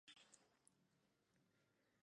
Dentro del templo, hay un retablo barroco.